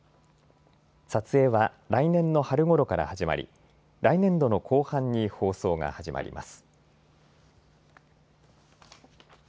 撮影は来年の春ごろから始まり来年度の後半に放送が始まります。